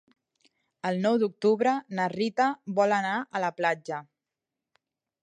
El nou d'octubre na Rita vol anar a la platja.